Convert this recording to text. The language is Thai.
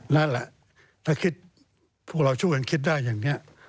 นั่นแหละถ้าคิดพวกเราช่วยกันคิดได้อย่างนี้